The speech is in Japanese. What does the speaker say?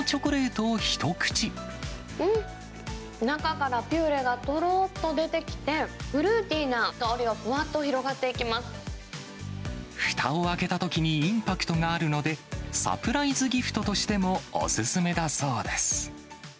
うん、中からピューレがとろっと出てきて、フルーティーな香りがふわっふたを開けたときにインパクトがあるので、サプライズギフトとしてもお勧めだそうです。